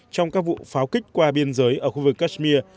trong các vụ pháo kích qua biên giới ở khu vực kashmir